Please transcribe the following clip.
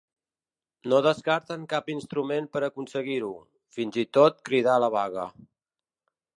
No descarten cap instrument per aconseguir-ho, fins i tot cridar a la vaga.